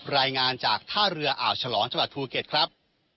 รายงานจากท่าเรืออ่าวฉลองจังหวัดภูเก็ตครับ